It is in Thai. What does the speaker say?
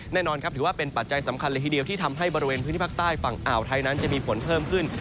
แน่นอนครับถือว่าเป็นปัจจัยสำคัญเลยทีเดียวที่ทำให้บริเวณพื้นที่ภาคใต้ฝั่งอ่าวไทยนั้นจะมีฝนเพิ่มขึ้น